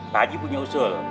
pak ji punya usul